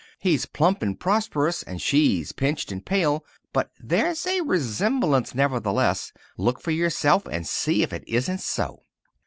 He's plump and prosperous and she's pinched and pale, but there's a resemblance nevertheless. Look for yourself and see if it isn't so."